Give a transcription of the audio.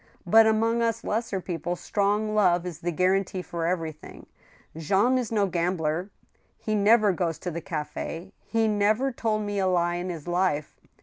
But among us lesser people strong love is the guarantee for everything. Jean is no gambler ; he never goes to the za/S, he never told me a lie in his life.